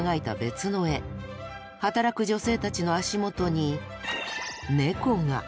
働く女性たちの足元にネコが！